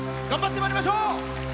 頑張ってまいりましょう！